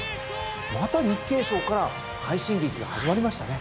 また日経賞から快進撃が始まりましたね。